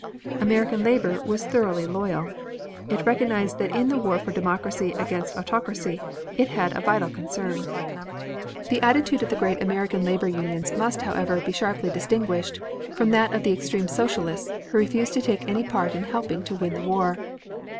American labor was thoroughly loyal. It recognized that in the war for democracy against autocracy it had a vital concern. The attitude of the great American labor unions must however be sharply distinguished from that of the extreme socialists who refused to take any part in helping to win the war.